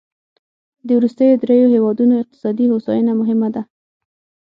د وروستیو دریوو هېوادونو اقتصادي هوساینه مهمه ده.